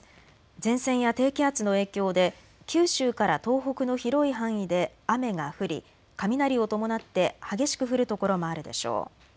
前線や低気圧の影響で九州から東北の広い範囲で雨が降り雷を伴って激しく降る所もあるでしょう。